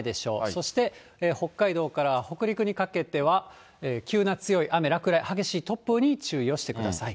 そして、北海道から北陸にかけては、急な強い雨、落雷、激しい突風に注意をしてください。